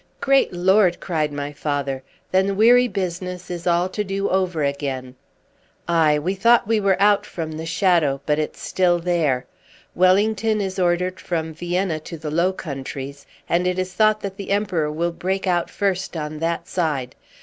"Great Lord!" cried my father. "Then the weary business is all to do over again!" "Aye, we thought we were out from the shadow, but it's still there. Wellington is ordered from Vienna to the Low Countries, and it is thought that the Emperor will break out first on that side.